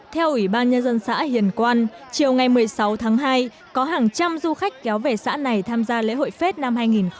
theo ủy ban nhân dân xã hiền quan chiều ngày một mươi sáu tháng hai có hàng trăm du khách kéo về xã này tham gia lễ hội phết năm hai nghìn một mươi chín